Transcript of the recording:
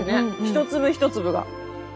一粒一粒が。